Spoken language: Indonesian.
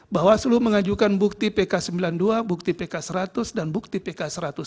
bawaslu mengajukan bukti pk sembilan puluh dua bukti pk seratus dan bukti pk satu ratus enam puluh